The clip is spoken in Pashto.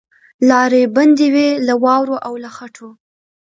لاري بندي وې له واورو او له خټو